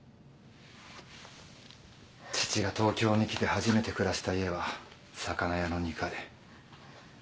父が東京に来て初めて暮らした家は魚屋の２階。